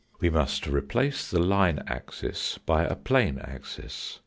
We must replace the line axis by a plane axis.